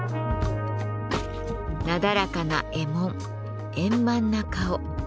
なだらかな衣文円満な顔。